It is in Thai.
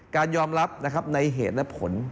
การยอมรับในเหตุและผล